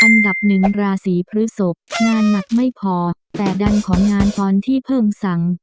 อันดับหนึ่งราศีพฤศพงานหนักไม่พอแต่ดันของานตอนที่เพิ่งสั่ง